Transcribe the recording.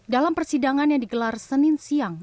dalam persidangan yang digelar senin siang